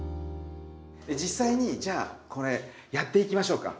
実際にじゃあこれやっていきましょうか。